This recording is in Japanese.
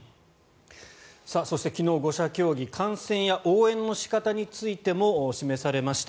そして、昨日５者協議観戦や応援の仕方についても示されました。